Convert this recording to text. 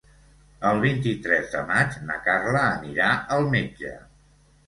El vint-i-tres de maig na Carla anirà al metge.